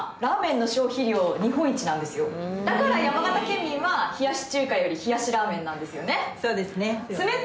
だから山形県民は冷やし中華より冷やしラーメンなんですよね。